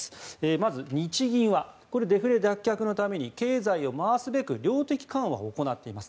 まず日銀はこれはデフレ脱却のために経済を回すべく量的緩和を行っています。